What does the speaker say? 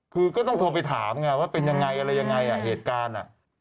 คือก็ต้องโทรไปถามไงว่าเป็นยังไงอะไรยังไงอ่ะเหตุการณ์